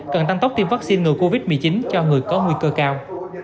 cần tăng tốc tiêm vaccine ngừa covid một mươi chín cho người có nguy cơ cao